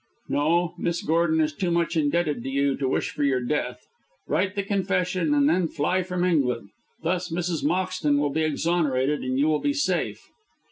"No; Miss Gordon is too much indebted to you to wish for your death. Write the confession, and then fly from England. Thus Mrs. Moxton will be exonerated, and you will be safe."